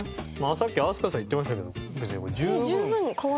さっき飛鳥さん言ってましたけど別にこれ。